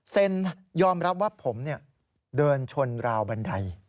เซ็นยอมรับว่าผมเนี่ยเดินชนราวบันได